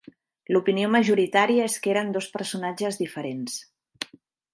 L'opinió majoritària és que eren dos personatges diferents.